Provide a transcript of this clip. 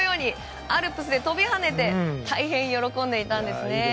アルプスで飛び跳ねて大変喜んでいたんです。